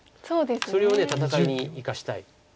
それを戦いに生かしたい。